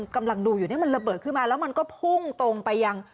กำลังดูอยู่เนี่ยมันระเบิดขึ้นมาแล้วมันก็พุ่งตรงไปยัง